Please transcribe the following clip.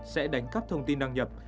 sẽ đánh cắp thông tin đăng nhập